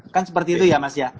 kan seperti itu ya mas ya